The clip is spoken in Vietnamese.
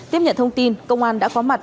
tiếp nhận thông tin công an đã có mặt